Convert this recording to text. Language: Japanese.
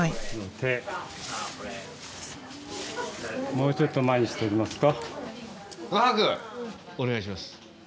もうちょっと前にしてみますか？